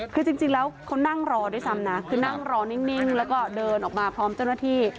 คือจริงแล้วเขานั่งรอด้วยซ้ำนะคือนั่งรอนิ่งแล้วก็เดินออกมาพร้อมเจ้าหน้าที่